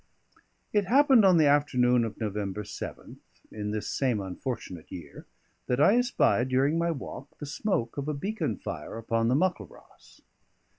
It happened on the afternoon of November 7th, in this same unfortunate year, that I espied, during my walk, the smoke of a beacon fire upon the Muckleross.